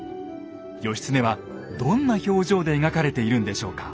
義経はどんな表情で描かれているんでしょうか？